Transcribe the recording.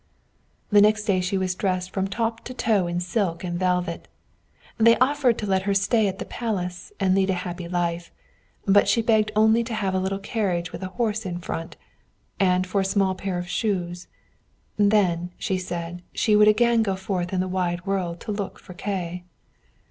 The next day she was dressed from top to toe in silk and velvet. They offered to let her stay at the palace, and lead a happy life; but she begged only to have a little carriage with a horse in front, and for a small pair of shoes; then, she said, she would again go forth in the wide world and look for Kay.